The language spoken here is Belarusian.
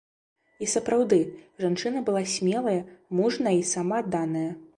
І сапраўды, жанчына была смелая, мужная і самаадданая.